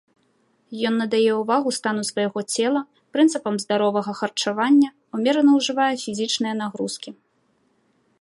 Ён надае ўвагу стану свайго цела, прынцыпам здаровага харчавання, умерана ўжывае фізічныя нагрузкі.